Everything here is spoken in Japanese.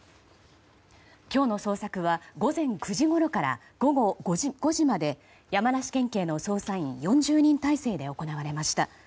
今日の捜索は午前９時ごろから午後５時まで山梨県警の捜査員４０人態勢で行われました。